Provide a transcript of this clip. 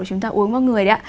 chúng ta uống mọi người